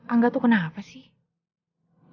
angga tuh kenapa sih